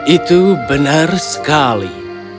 itu benar sekali